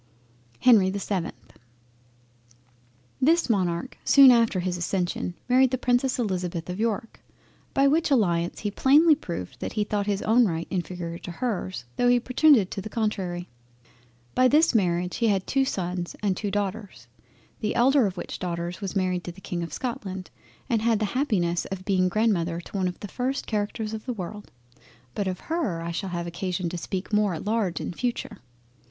HENRY the 7th This Monarch soon after his accession married the Princess Elizabeth of York, by which alliance he plainly proved that he thought his own right inferior to hers, tho' he pretended to the contrary. By this Marriage he had two sons and two daughters, the elder of which Daughters was married to the King of Scotland and had the happiness of being grandmother to one of the first Characters in the World. But of her, I shall have occasion to speak more at large in future.